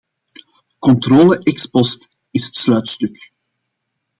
Controle ex post is het sluitstuk.